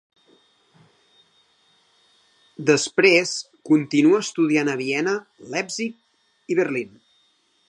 Després continua estudiant a Viena, Leipzig i Berlín.